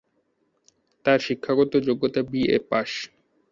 তার শিক্ষাগত যোগ্যতা বিএ পাস।